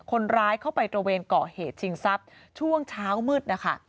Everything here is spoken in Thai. คนร้ายเข้าไปตระเวนก่อเหตุชิงทรัพย์ช่วงเช้ามืดนะคะ